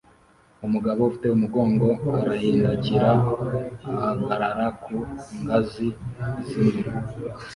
Umugabo ufite umugongo arahindukira ahagarara ku ngazi zimwe